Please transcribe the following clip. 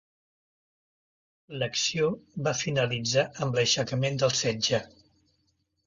L'acció va finalitzar amb l'aixecament del setge.